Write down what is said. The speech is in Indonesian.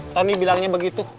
tony bilangnya begitu